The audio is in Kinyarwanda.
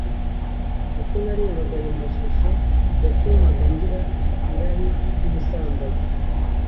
Uko narebaga ayo mashusho yatumaga ngira irari ry’ubusambanyi